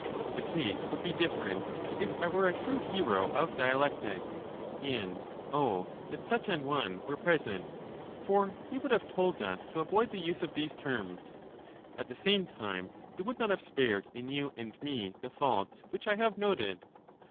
The case would be different if I were a true hero of dialectic : and O that such an one were present I for he would have told us to avoid the use of these terms ; at the same time he would not have spared in you and me the faults which I have noted.